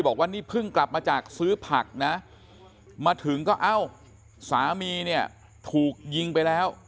บอกว่านี่เพิ่งกลับมาจากซื้อผักนะมาถึงก็เอ้าสามีเนี่ยถูกยิงไปแล้ว